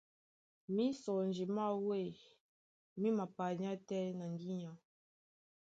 Mísɔnji má wêy mí mapanyá tɛ́ na ŋgínya.